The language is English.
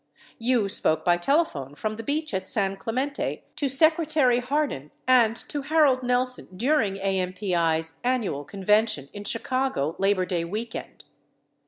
You spoke by tele phone from the beach at San Clemente to Secretary Hardin and to Harold Nelson during AMPI's annual convention in Chicago Labor Day weekend.